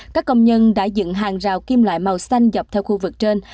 các công nhân đã dựng hàng rào kim loại màu xanh dọc theo khu vực trên